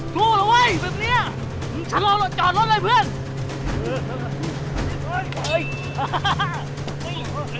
สู้เหรอเว้ยเหมือนเนี่ย